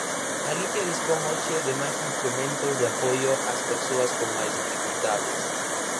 Galicia dispón hoxe de máis instrumentos de apoio ás persoas con máis dificultades.